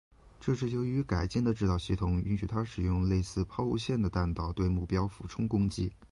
这是由于改进的制导系统允许它使用类似抛物线的弹道对目标俯冲攻击。